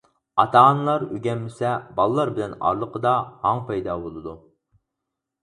ئاتا-ئانىلار ئۆگەنمىسە بالىلار بىلەن ئارىلىقتا ھاڭ پەيدا بولىدۇ.